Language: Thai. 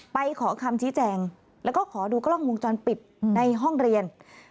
ไปขอคำชี้แจงแล้วก็ขอดูกล้องวงจรปิดในห้องเรียน